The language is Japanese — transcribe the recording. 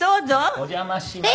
お邪魔します。